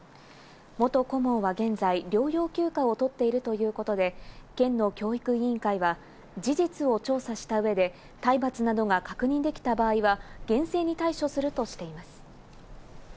元顧問は現在、療養休暇を取っているということで、県の教育委員会は事実を調査した上で、体罰などが確認できた場合は、厳正に対処するとしています。